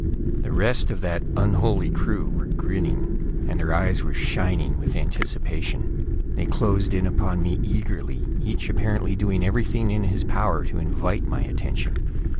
The rest of that unholy crew were grinning, and their eyes were shining with anticipation. They closed in upon me eagerly, each apparently doing everything in his power to invite my attention.